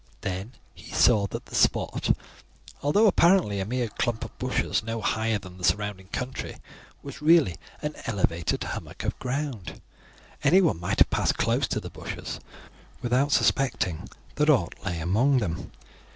Then he saw that the spot, although apparently a mere clump of bushes no higher than the surrounding country, was really an elevated hummock of ground. Anyone might have passed close to the bushes without suspecting that aught lay among them.